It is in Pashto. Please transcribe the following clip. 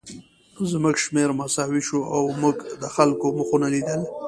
زموږ شمېر مساوي شو او موږ د خلکو مخونه لیدل